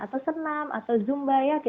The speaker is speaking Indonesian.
atau senam atau zumba ya